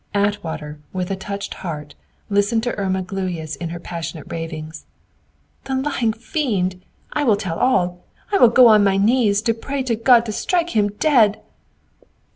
Atwater, with a touched heart, listened to Irma Gluyas in her passionate ravings. "The lying fiend! I will tell all! I will go on my knees to pray God to strike him dead!"